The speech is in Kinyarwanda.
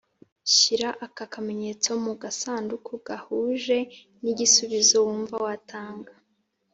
Shyira aka kamenyetso mu gasanduku gahuje n igisubizo wumva watanga